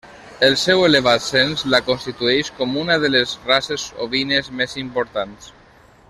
El seu elevat cens la constitueix com una de les races ovines més importants.